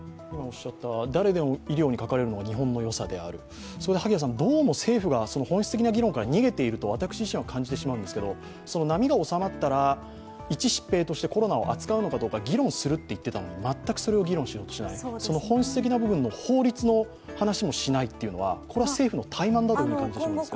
誰でも医療にかかれるのが日本のよさである、どうも政府が本質的な議論から逃げていると私自身は感じてしまうんですけれども、波が収まったら、一疾病としてコロナを扱うのか議論するといっていたが全くそれを議論しようとしない、本質的な部分の法律の話もしないというのは、政府の怠慢だという感じがしますが。